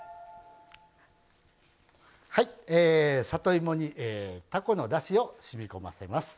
里芋にたこのだしをしみこませます。